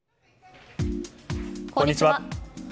こんにちは。